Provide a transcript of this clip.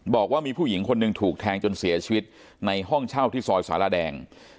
บอกว่ามีผู้หญิงคนหนึ่งถูกแทงจนเสียชีวิตในห้องเช่าที่ซอยสารแดง